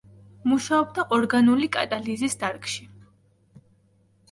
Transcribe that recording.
მუშაობდა ორგანული კატალიზის დარგში.